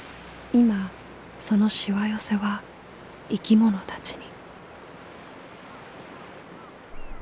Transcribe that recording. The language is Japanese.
今そのしわ寄せは生き物たちに。